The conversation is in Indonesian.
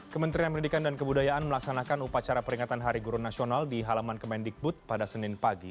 kementerian pendidikan dan kebudayaan melaksanakan upacara peringatan hari guru nasional di halaman kemendikbud pada senin pagi